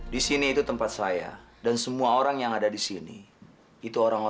dewi kamu tak perlu khawatir